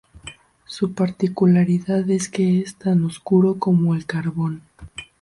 Su particularidad es que es tan oscuro como el carbón.